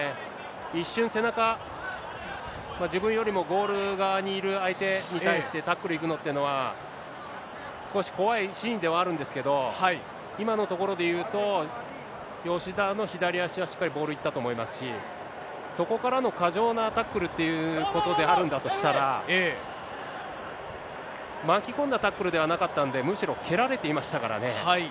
一瞬、背中、自分よりもゴール側にいる相手に対してタックルいくのっていうのは、少し怖いシーンではあるんですけど、今のところで言うと、吉田の左足は、しっかりボールいったと思いますし、そこからの過剰なタックルってことであるんだとしたら、巻き込んだタックルではなかったんで、むしろ、蹴られていました